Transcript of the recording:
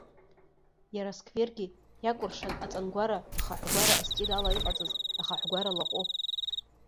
Иара асквергьы, иакәыршан аҵангәара ахаҳәгәара астиль ала иҟаҵаз ахаҳәгәара лаҟәы.